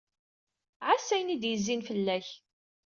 Ɛass ayen ay d-yezzin fell-ak.